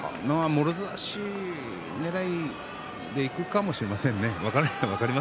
もろ差しねらいでいくかもしれませんね。